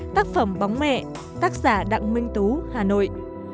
một mươi hai tác phẩm bóng mẹ tác giả đặng minh tú hà nội